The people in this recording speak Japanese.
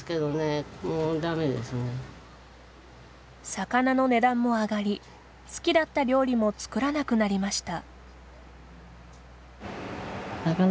魚の値段も上がり好きだった料理も作らなくなりました。